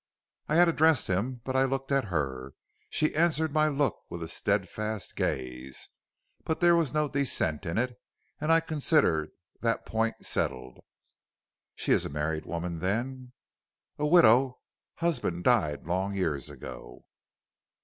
"I had addressed him, but I looked at her. She answered my look with a steadfast gaze, but there was no dissent in it, and I considered that point settled. "'She is a married woman, then?' "'A widow; husband died long years ago.'